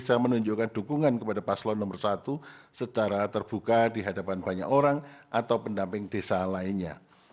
kementerian desa menunjukkan dukungan kepada paslo no satu secara terbuka di hadapan banyak orang atau pendamping desa lainnya